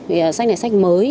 vì sách này sách mới